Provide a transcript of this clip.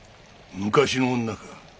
昔の女か。